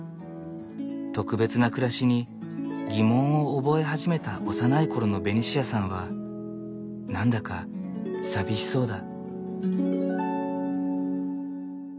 特別な暮らしに疑問を覚え始めた幼い頃のベニシアさんは何だか寂しそうだ。